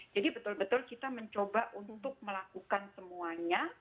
jadi betul betul kita mencoba untuk melakukan semuanya